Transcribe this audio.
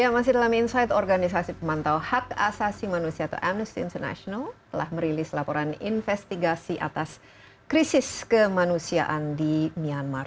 masih dalam insight organisasi pemantau hak asasi manusia atau amnesty international telah merilis laporan investigasi atas krisis kemanusiaan di myanmar